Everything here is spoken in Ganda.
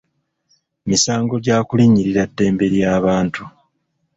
Misango gya kulinnyirira ddembe ly'abantu.